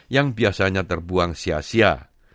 yang biasanya terbuang sia sia